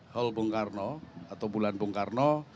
hall bung karno atau bulan bung karno